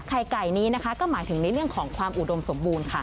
ไข่ไก่นี้นะคะก็หมายถึงในเรื่องของความอุดมสมบูรณ์ค่ะ